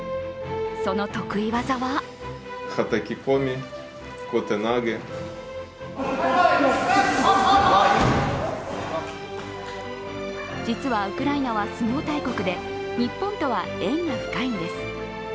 その得意技は実はウクライナは相撲大国で日本とは縁が深いんです。